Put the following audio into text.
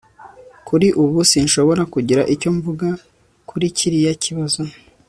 Kuri ubu sinshobora kugira icyo mvuga kuri kiriya kibazo